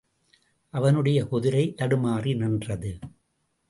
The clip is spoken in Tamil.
அவனுடைய குதிரை தடுமாறி நின்றது.